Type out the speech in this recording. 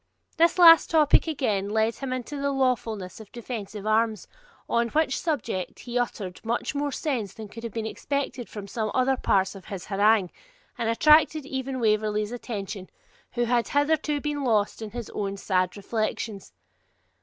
This last topic, again, led him into the lawfulness of defensive arms, on which subject he uttered much more sense than could have been expected from some other parts of his harangue, and attracted even Waverley's attention, who had hitherto been lost in his own sad reflections.